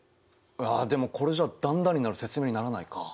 でもこれじゃあ段々になる説明にならないか。